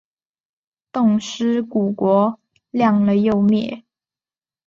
冻尸骨国亮了又灭。